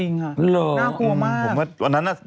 น่ากลัวมาก